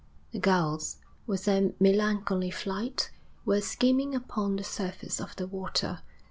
The gulls, with their melancholy flight, were skimming upon the surface of the water.